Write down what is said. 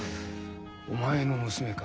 お前の娘か。